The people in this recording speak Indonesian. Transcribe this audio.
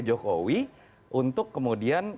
jokowi untuk kemudian